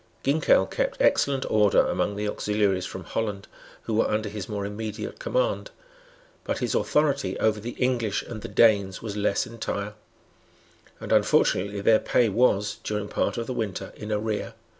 Ginkell kept excellent order among the auxiliaries from Holland, who were under his more immediate command. But his authority over the English and the Danes was less entire; and unfortunately their pay was, during part of the winter, in arrear.